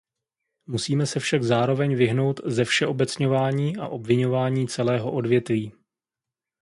Musíme se však zároveň vyhnout zevšeobecňování a obviňování celého odvětví.